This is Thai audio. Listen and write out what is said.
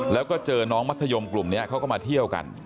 แล้วก็เจอน้องมัธยมกลุ่มนี้เขาก็มาเที่ยวกัน